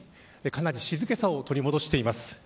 かなり静けさを取り戻しています。